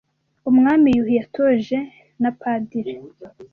Umwami Yuhi yatoje na Padiri